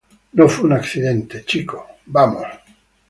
No, fue un accidente, chicos. Vamos.